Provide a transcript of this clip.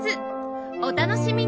お楽しみに！